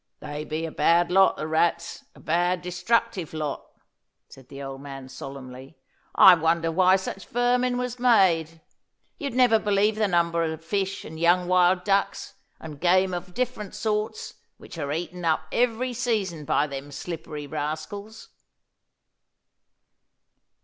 "They be a bad lot, the rats a bad, destructive lot," said the old man solemnly. "I wonder why such vermin was made. You'd never believe the number of fish and young wild ducks, and game of different sorts, which are eaten up every season by them slippery rascals."